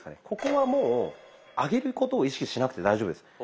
ここはもう上げることを意識しなくて大丈夫です。